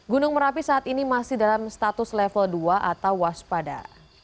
gunung merapi saat ini masih dalam status level dua atau waspada